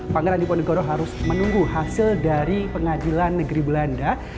pangeran diponegoro harus menunggu hasil dari pengadilan negeri belanda